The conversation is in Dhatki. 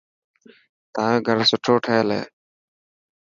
تايو گھر سٺو ٺهيل هي.